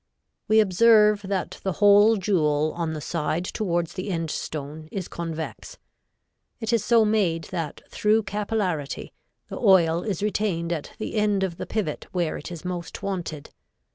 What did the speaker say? We observe that the hole jewel on the side towards the end stone is convex. It is so made that through capillarity the oil is retained at the end of the pivot where it is most wanted.